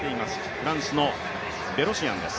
フランスのベロシアンです。